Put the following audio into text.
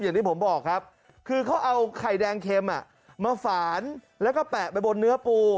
อย่างที่ผมบอกครับคือเขาเอาไข่แดงเข็มมาฝานแล้วก็แปะไปบนเนื้อปู